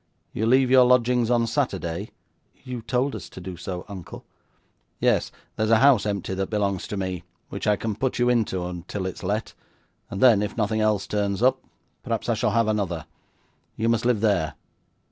You leave your lodgings on Saturday?' 'You told us to do so, uncle.' 'Yes; there is a house empty that belongs to me, which I can put you into till it is let, and then, if nothing else turns up, perhaps I shall have another. You must live there.